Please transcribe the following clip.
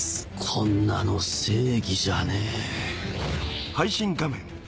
こんなの正義じゃねえ。